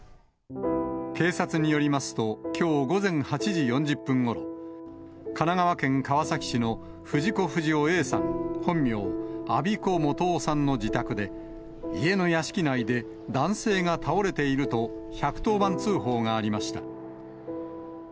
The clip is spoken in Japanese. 警察によりますと、きょう午前８時４０分ごろ、神奈川県川崎市の藤子不二雄Ａさん、本名、安孫子素雄さんの自宅で、家の屋敷内で男性が倒れていると、１１０番通報がありました。